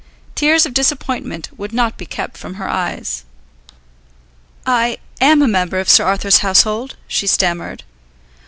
Tears of disappointment would not be kept from her eyes. "I am a member of Sir Arthur's household," she stammered.